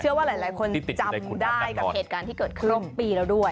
ว่าหลายคนจำได้กับเหตุการณ์ที่เกิดขึ้นปีแล้วด้วย